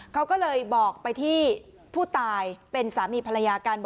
เขาก็เลยบอกไปที่ผู้ตายเป็นสามีภรรยากัน